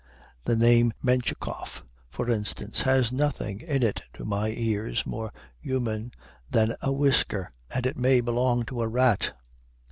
The name Menschikoff, for instance, has nothing in it to my ears more human than a whisker, and it may belong to a rat.